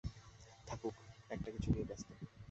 থাকুক একটা কিছু নিয়ে ব্যস্ত।